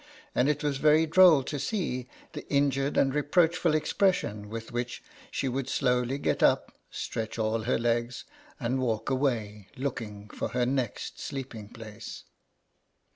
And it was very droll to see the injured and reproachful expression with which she would slowly get up, stretch all her legs, and walk away, looking for her next sleeping place.